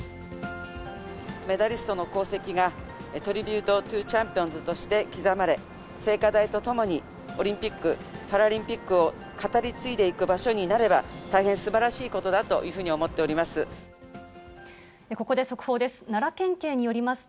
メダリストの功績が、トリビュート・トゥー・チャンピオンズとして刻まれ、聖火台とともにオリンピック・パラリンピックを語り継いでいく場所になれば、大変すばらしいことだというふうに思っております。